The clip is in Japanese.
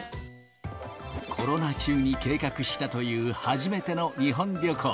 コロナ中に計画したという初めての日本旅行。